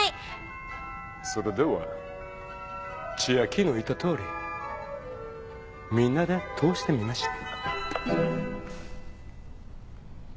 それでは千秋の言ったとおりみんなで通してみましょう。